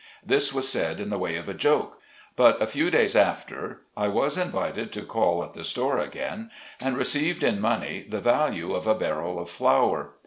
This was said in the way of a joke. But a few days after I was invited to call at the store again, and received in money the value of a barrel of flour.